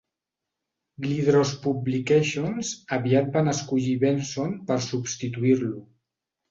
Glidrose Publications aviat van escollir Benson per substituir-lo.